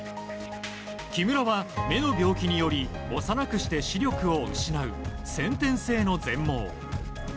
木村は目の病気により、幼くして視力を失う先天性の全盲。